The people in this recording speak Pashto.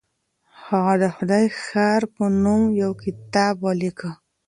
هغه د خدای ښار په نوم يو کتاب وليکه.